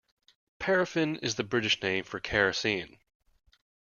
Paraffin is the British name for kerosene